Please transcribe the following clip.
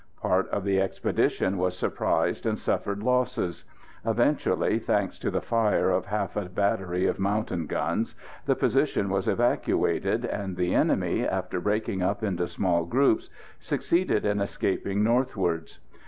Part of the expedition was surprised, and suffered losses. Eventually, thanks to the fire of half a battery of mountain guns, the position was evacuated, and the enemy, after breaking up into small groups, succeeded in escaping northwards.